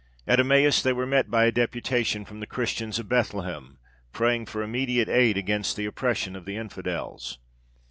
At Emmaus they were met by a deputation from the Christians of Bethlehem, praying for immediate aid against the oppression of the infidels.